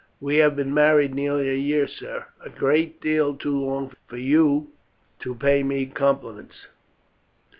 "We have been married nearly a year, sir a great deal too long for you to pay me compliments."